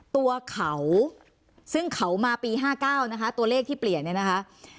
ตัวเขาซึ่งเขามาปี๕๙นะคะตัวเลขที่เปลี่ยนเนี่ยนะคะ